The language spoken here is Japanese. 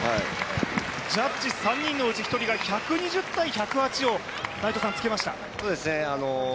ジャッジ３人のうち１人が１２０−１０８をつけました。